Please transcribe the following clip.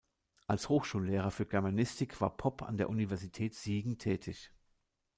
Als Hochschullehrer für Germanistik war Popp an der Universität Siegen tätig.